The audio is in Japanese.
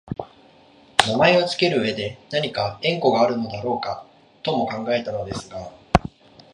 名前をつける上でなにか縁故があるのだろうかとも考えたのですが、